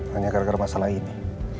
hanya gara gara masalah ini